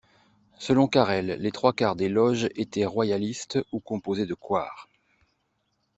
Selon Carrel, les trois quarts des Loges étaient royalistes, ou composées de couards.